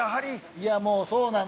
いやもうそうなのよ。